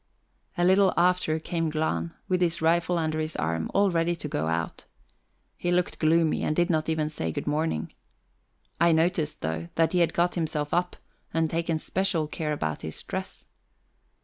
A little after came Glahn, with his rifle under his arm, all ready to go out. He looked gloomy, and did not even say good morning. I noticed, though, that he had got himself up and taken special care about his dress.